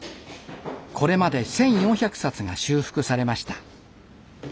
これまで１，４００冊が修復されました。